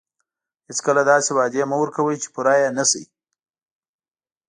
هیڅکله داسې وعدې مه ورکوئ چې پوره یې نه شئ.